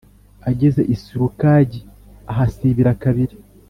ageze i Sikulagi ahasibira kabiri